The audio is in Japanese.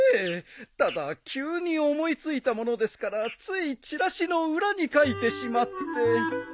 ただ急に思いついたものですからついチラシの裏に書いてしまって。